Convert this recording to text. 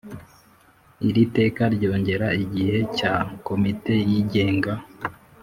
iri teka ryongera igihe cya komite yigenga